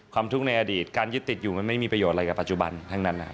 การยึดติดอยู่มันไม่มีประโยชน์อะไรกับปัจจุบันทั้งนั้น